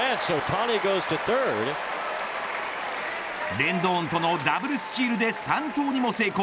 レンドンとのダブルスチールで三盗にも成功。